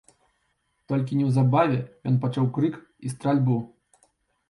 Толькі неўзабаве ён пачуў крыкі і стральбу.